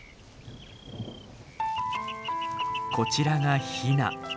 こちらがヒナ。